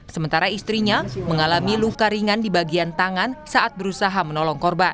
sementara istrinya mengalami luka ringan di bagian tangan saat berusaha menolong korban